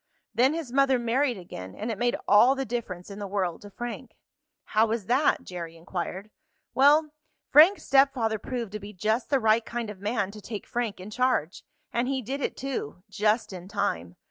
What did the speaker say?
Then his mother married again, and it made all the difference in the world to Frank." "How was that?" Jerry inquired. "Well, Frank's stepfather proved to be just the right kind of man to take Frank in charge. And he did it, too, just in time.